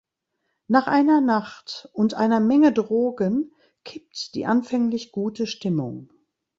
Nach einer Nacht und einer Menge Drogen kippt die anfänglich gute Stimmung.